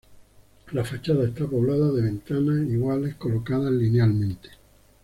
La fachada está poblada de ventanas iguales colocadas linealmente.